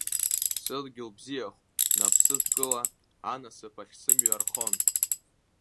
Сыдгьыл бзиахә, нап сыдкыла, анасыԥ ахь сымҩа архон…